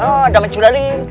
ah daman cireling